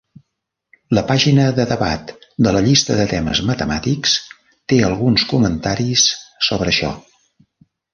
La pàgina de debat de la llista de temes matemàtics té alguns comentaris sobre això.